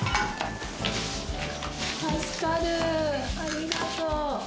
ありがとう。